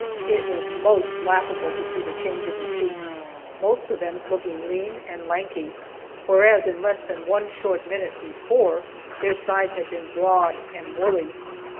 It was most laughable to see the change in the sheep most of them looking lean and lanky, whereas in less than one short minute before, their sides had been broad and woolly.